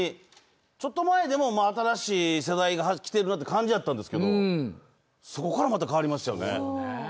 ちょっと前でも、新しい世代が来ているなという感じだったんですけど、でしょうから、また変わりましたよね。